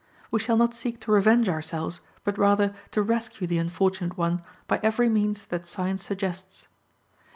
We shall not seek to revenge ourselves, but rather to rescue the unfortunate one by every means that science suggests.